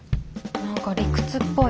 何か理屈っぽい。